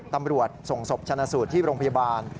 ตำรวจส่งศพชนะสูตรที่โรงพยาบาล